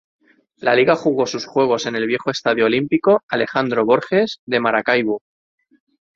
La liga jugó sus juegos en el viejo estadio olímpico "Alejandro Borges" de Maracaibo.